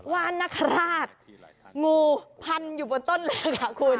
ว่านนคราชงูพันอยู่บนต้นเลยค่ะคุณ